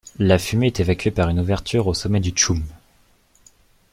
La fumée est évacuée par une ouverture au sommet du tchoum.